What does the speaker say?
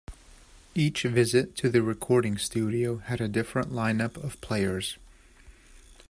Each visit to the recording studio had a different line-up of players.